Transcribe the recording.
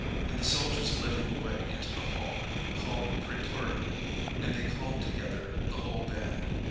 And the soldiers led him away into the hall, called Praetorium; and they call together the whole band.